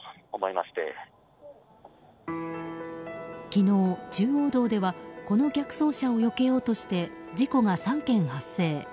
昨日、中央道ではこの逆走車をよけようとして事故が３件発生。